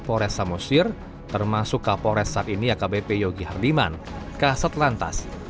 pores samosir termasuk capores saat ini akbp yogi hardiman kaset lantas